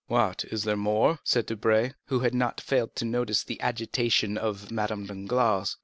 "What is there more?" said Debray, who had not failed to notice the agitation of Madame Danglars.